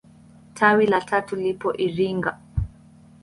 Tawi la tatu lipo Iringa.